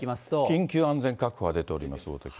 緊急安全確保が出ております、大多喜町。